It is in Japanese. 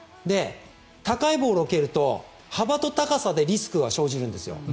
高いボールを蹴ると幅と高さでリスクが生じるんですよ。